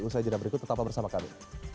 usai jeda berikut tetaplah bersama kami